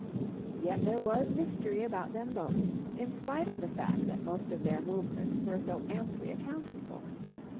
Yet there was mystery about them both, in spite of the fact that most of their movements were so amply accounted for.